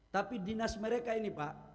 tapi dinas mereka ini pak